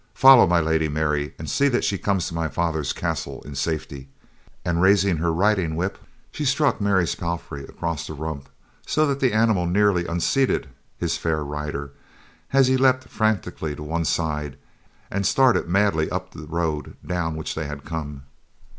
Follow my Lady Mary, and see that she comes to my father's castle in safety," and raising her riding whip, she struck Mary's palfrey across the rump so that the animal nearly unseated his fair rider as he leaped frantically to one side and started madly up the road down which they had come.